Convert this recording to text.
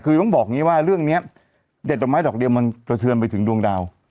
คือต้องบอกอย่างนี้ว่าเรื่องนี้เด็ดดอกไม้ดอกเดียวมันสะเทือนไปถึงดวงดาว